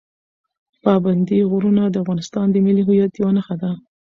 پابندي غرونه د افغانستان د ملي هویت یوه نښه ده.